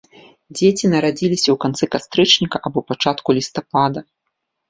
Дзеці нарадзіліся ў канцы кастрычніка або пачатку лістапада.